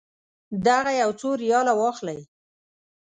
دغه یو څو ریاله واخلئ.